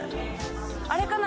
あれかな？